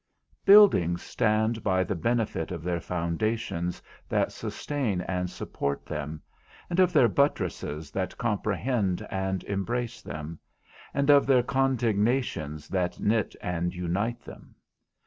_ Buildings stand by the benefit of their foundations that sustain and support them, and of their buttresses that comprehend and embrace them, and of their contignations that knit and unite them.